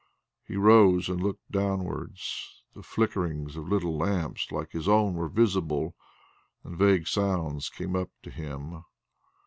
He rose and looked downwards; the flickerings of little lamps like his own were visible, and vague sounds came up to him.